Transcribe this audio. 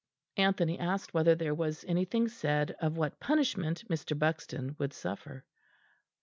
Anthony asked whether there was anything said of what punishment Mr. Buxton would suffer.